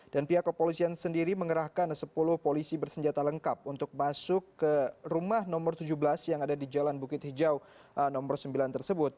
pihak kepolisian sendiri mengerahkan sepuluh polisi bersenjata lengkap untuk masuk ke rumah nomor tujuh belas yang ada di jalan bukit hijau nomor sembilan tersebut